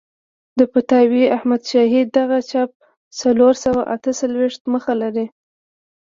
د فتاوی احمدشاهي دغه چاپ څلور سوه اته څلوېښت مخه لري.